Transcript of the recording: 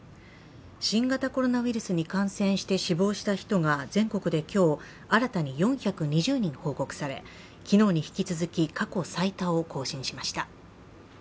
新型コロナウイルスに感染して死亡した人が全国で今日新たに４２０人報告され、昨日に引き続き、過去最多を更新しました。